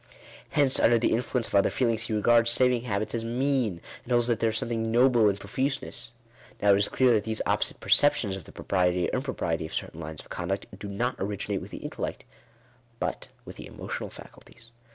Hence under the influence of other feelings, he regards saving habits as mean; and holds that there is something noble in profuse ness. Now it is clear that these opposite perceptions of the propriety or impropriety of certain lines of conduct, do not originate with the intellect, but with the emotional faculties.